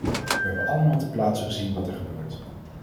We hebben allemaal ter plaatse gezien wat er gebeurt.